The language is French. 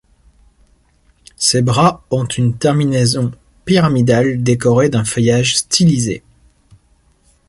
Ses bras ont une terminaison pyramidale décorée d'un feuillage stylisé.